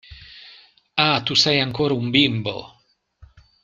Ah, tu sei ancora un bimbo!